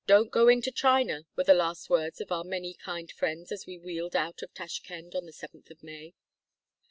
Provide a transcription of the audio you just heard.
IV 113 "Don't go into China" were the last words of our many kind friends as we wheeled out of Tashkend on the seventh of May.